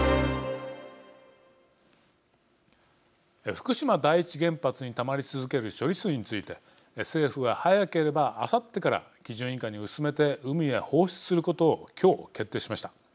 福島第一原発にたまり続ける処理水について政府は早ければあさってから基準以下に薄めて海へ放出することを今日、決定しました。